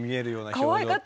かわいかった。